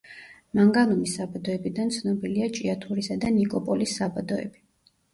მანგანუმის საბადოებიდან ცნობილია ჭიათურისა და ნიკოპოლის საბადოები.